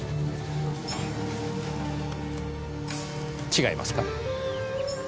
違いますか？